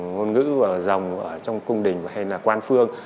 ngôn ngữ rồng ở trong cung đình hay là quan phương